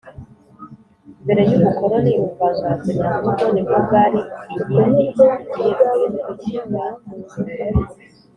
Mbere y’ubukoroni ubuvanganzo nyamvugo nibwo bwari inyingi ishyigikiye ururimi rw’ikinyarwanda